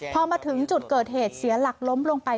พอมาถึงจุดเกิดเหตุเสียหลักล้มลงไป